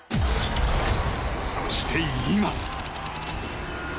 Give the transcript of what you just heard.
そして、今。